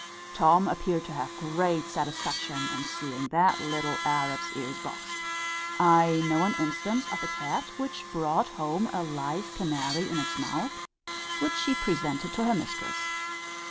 Tom appeared to have great satisfaction in seeing that little Arab's ears boxed. I know an instance of a cat, which brought home a live canary in its mouth, which she presented to her mistress.